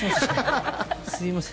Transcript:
すいません。